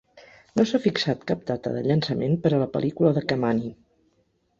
No s'ha fixat cap data de llançament per a la pel·lícula de Camani.